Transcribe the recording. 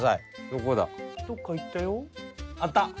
どっか行ったよ。